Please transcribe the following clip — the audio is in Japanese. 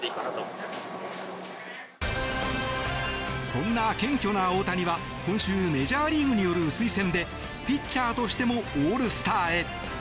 そんな謙虚な大谷は今週メジャーリーグによる推薦でピッチャーとしてもオールスターへ。